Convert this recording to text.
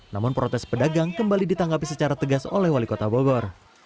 namun protes pedagang kembali ditanggapi secara tegas oleh wali kota bogor